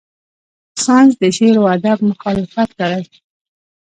ساینس د شعر و ادب مخالفت کړی.